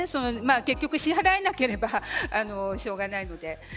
結局、支払えなければしょうがないので。